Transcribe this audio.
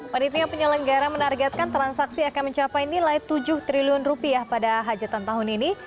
panitia penyelenggara menargetkan transaksi akan mencapai nilai tujuh triliun rupiah pada hajatan tahun ini